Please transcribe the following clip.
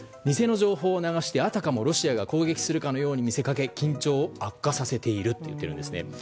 偽の情報を流してあたかもロシアが攻撃するかのように見せかけ緊張を悪化させていると言っているんですね。